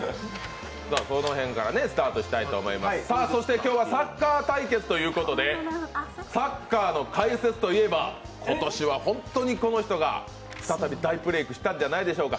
今日はサッカー対決ということでサッカーの解説といえば今年は本当にこの人が再び大ブレークしたんじゃないでしょうか。